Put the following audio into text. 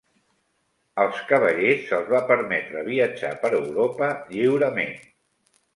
Als cavallers se'ls va permetre viatjar per Europa lliurement.